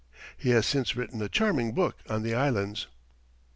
He has since written a charming book on the Islands.